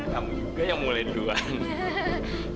kamu juga yang mulai dua